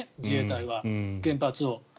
自衛隊は、原発を。